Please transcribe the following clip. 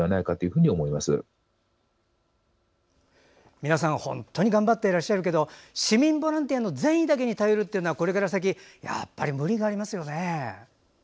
皆さん、本当に頑張っていらっしゃるけど市民ボランティアの善意だけに頼るというのはこれから先、やっぱり無理がありますよね。